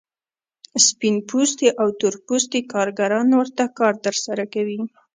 سپین پوستي او تور پوستي کارګران ورته کار ترسره کوي